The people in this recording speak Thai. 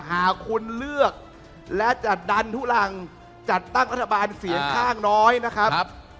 หากคุณเลือกและจะดันทุลังจัดตั้งรัฐบาลเสียงข้างน้อยนะครับ